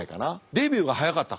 デビューが早かった。